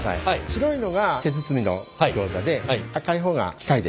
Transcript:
白いのが手包みのギョーザで赤い方が機械で。